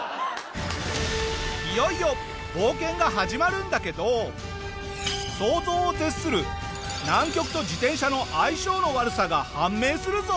いよいよ冒険が始まるんだけど想像を絶する南極と自転車の相性の悪さが判明するぞ！